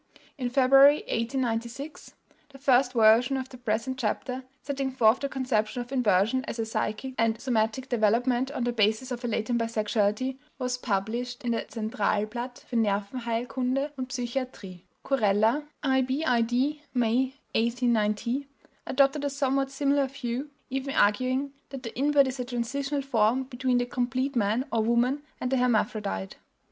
In February, 1896, the first version of the present chapter, setting forth the conception of inversion as a psychic and somatic development on the basis of a latent bisexuality, was published in the Centralblatt für Nervenheilkunde und Psychiatrie. Kurella (ib., May, 1890) adopted a somewhat similar view, even arguing that the invert is a transitional form between the complete man or woman and the hermaphrodite.